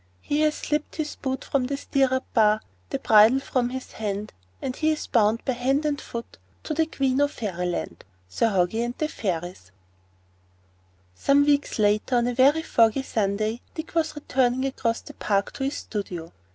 He has slipped his foot from the stirrup bar, The bridle from his hand, And he is bound by hand and foot To the Queen o' Faery land. Sir Hoggie and the Fairies. Some weeks later, on a very foggy Sunday, Dick was returning across the Park to his studio.